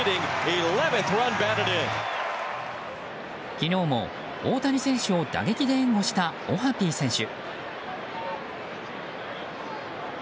昨日も大谷選手を打撃で援護したオハピー選手。